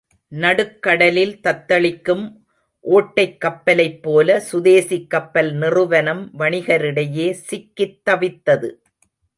நடுக்கடலில் தத்தளிக்கும் ஓட்டைக் கப்பலைப் போல சுதேசிக் கப்பல் நிறுவனம் வணிகரிடையே சிக்கித் தவித்தது.